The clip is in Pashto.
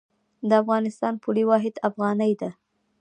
د افغانستان پولي واحد افغانۍ ده